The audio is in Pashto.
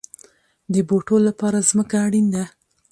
د بوټو لپاره ځمکه اړین ده